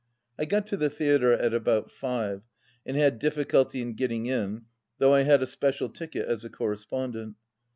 I got to the theatre at about five, and had difficulty in getting in, though I had a special ticket as a correspondent.